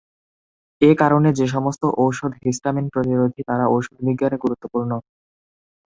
এ কারণে যে সমস্ত ঔষধ হিস্টামিন প্রতিরোধী তারা ঔষধ বিজ্ঞানে গুরুত্বপূর্ণ।